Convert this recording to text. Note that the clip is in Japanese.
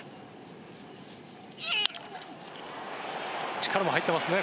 力も入ってますね。